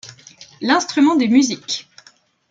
l'instrument de musique